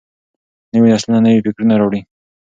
نوي نسلونه نوي فکرونه راوړي.